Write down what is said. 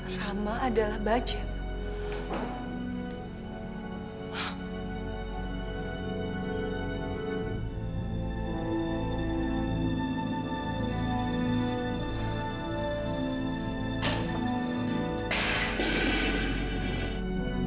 rama adalah bacet